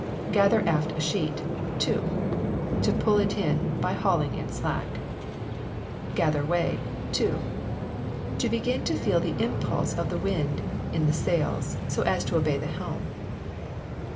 GATHER AFT A SHEET, TO. To pull it in, by hauling in slack. GATHER WAY, TO. To begin to feel the impulse of the wind on the sails, so as to obey the helm.